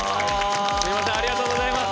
すみませんありがとうございます。